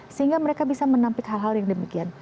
sehingga mereka bisa menampik hal hal yang demikian